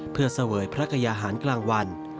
เพื่อเสวยพระกยาหารกลางวัน